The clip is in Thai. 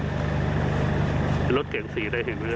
รถเก่งสีได้เห็นไหม